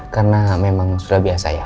karena memang sudah biasa ya